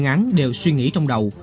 các băng chuyên án đều suy nghĩ trong đầu